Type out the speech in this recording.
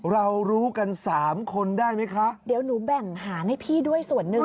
เรารู้กันสามคนได้ไหมคะเดี๋ยวหนูแบ่งหารให้พี่ด้วยส่วนหนึ่ง